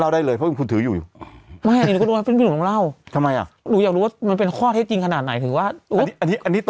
เอาเล่ะไว้อคุณกูเล่าได้เลยเพราะเครื่องคุณ